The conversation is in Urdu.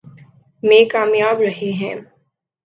میں کامیاب رہے ہیں۔